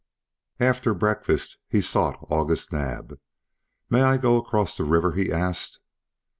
After breakfast he sought August Naab. "May I go across the river?" he asked.